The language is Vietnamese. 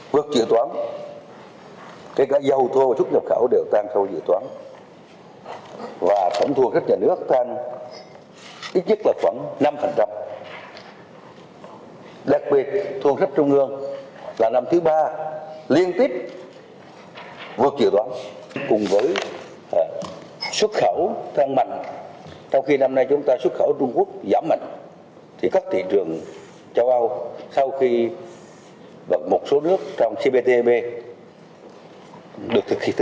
và một số nước trong cptpp được thực hiện thịt thi